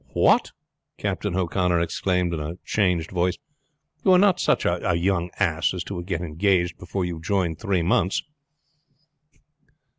"What!" Captain O'Connor exclaimed in a changed voice. "You are not such a young ass as to get engaged before you have joined three months?"